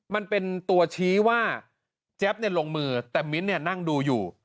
มันเป็นตัวชี้ว่าแจ๊บเนี่ยลงมือแต่มิ้นนั่งดูอยู่